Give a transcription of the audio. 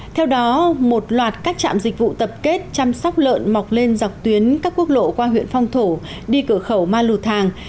theo đó một loạt các trạm dịch vụ tập kết chăm sóc lợn mọc lên dọc tuyến các quốc lộ qua huyện phong thổ đi cửa khẩu ma lù thàng